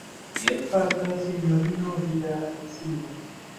Kiel fartas Sinjorino via edzino?